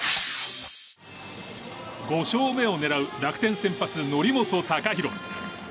５勝目を狙う楽天先発則本昂大。